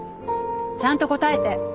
ちゃんと答えて。